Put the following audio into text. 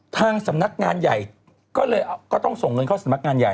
ทางสำนักงานใหญ่ก็เลยก็ต้องส่งเงินเข้าสำนักงานใหญ่